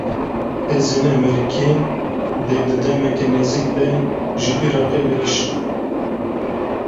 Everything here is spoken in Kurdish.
Hêzên Emerîkî, dê di demeke nêzik de ji Iraqê vekişin